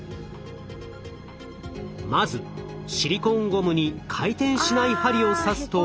まずシリコーンゴムに回転しない針を刺すと。